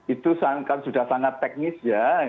itu sudah sangat teknis ya